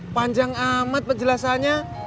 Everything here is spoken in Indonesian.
panjang amat penjelasannya